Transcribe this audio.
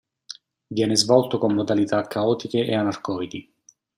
Viene svolto con modalità caotiche e anarcoidi.